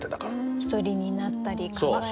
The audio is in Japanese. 一人になったり考えなくちゃ。